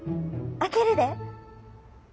開けるで。